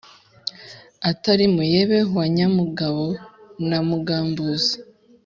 atari muyebe wa nyamugabo na mugambuzi